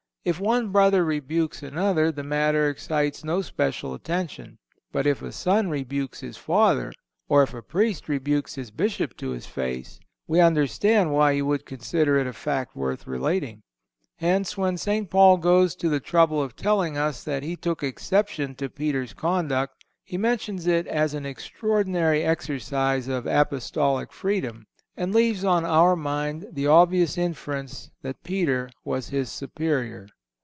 If one brother rebukes another, the matter excites no special attention. But if a son rebukes his father, or if a Priest rebukes his Bishop to his face, we understand why he would consider it a fact worth relating. Hence, when St. Paul goes to the trouble of telling us that he took exception to Peter's conduct, he mentions it as an extraordinary exercise of Apostolic freedom, and leaves on our mind the obvious inference that Peter was his superior.